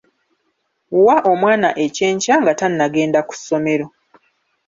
Wa omwana ekyenkya nga tannagenda ku ssomero.